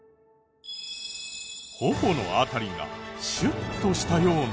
頬の辺りがシュッとしたような。